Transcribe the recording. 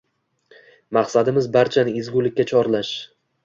Maqsadimiz barchani ezgulikka chorlash.